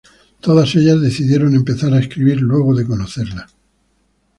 Todas ellas decidieron empezar a escribir luego de conocerla.